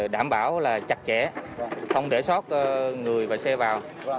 đảm bảo là chặt chẽ không để sót người và xe vào